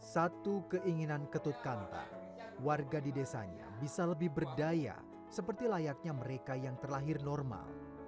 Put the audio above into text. satu keinginan ketut kanta warga di desanya bisa lebih berdaya seperti layaknya mereka yang terlahir normal